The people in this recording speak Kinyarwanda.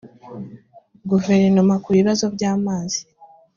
guverinoma ku bibazo by amazi